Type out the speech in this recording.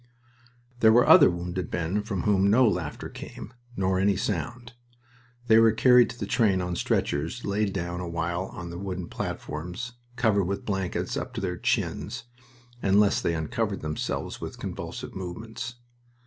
There were other wounded men from whom no laughter came, nor any sound. They were carried to the train on stretchers, laid down awhile on the wooden platforms, covered with blankets up to their chins unless they uncovered themselves with convulsive movements.